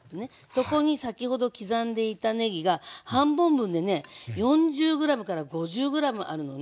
そこに先ほど刻んでいたねぎが半本分でね４０ｇから５０ｇあるのね。